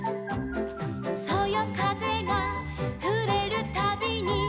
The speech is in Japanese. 「そよかぜがふれるたびに」